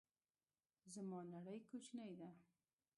زما نړۍ کوچنۍ ده